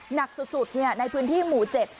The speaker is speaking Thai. หนักสุดในพื้นที่หมู่๗